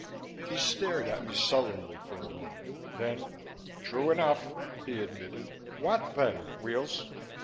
He stared at me sullenly for a moment. Then, "True enough," he admitted. "What then, Weels?"